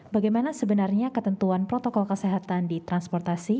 bagaimana sebenarnya ketentuan protokol kesehatan di transportasi